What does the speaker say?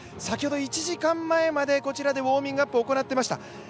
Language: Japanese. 先ほど１時間前までこちらでウォーミングアップを行っていました。